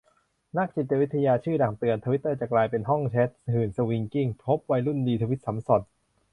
นักจิตวิทยาชื่อดังเตือน ทวิตเตอร์จะกลายเป็นห้องแชตหื่นสวิงกิ้ง พบวัยรุ่นรีทวีตสำส่อน